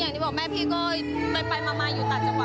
อย่างที่บอกแม่พี่ก็เลยไปมาอยู่ต่างจังหวัด